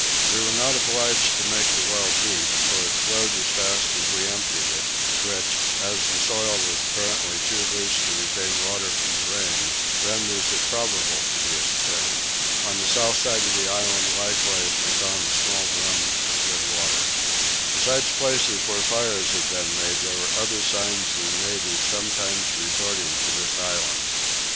We were not obliged to make the well deep for it flowed as fast as we emptied it, which, as the soil was apparently too loose to retain water from the rains, renders it probable to be a spring. On the south side of the island likewise we found a small run of good water. Besides places where fires had been made there were other signs of the natives sometimes resorting to this island.